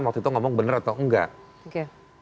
waktu itu ngomong benar atau enggak oke